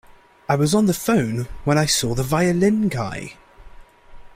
I was on the phone when I saw the violin guy.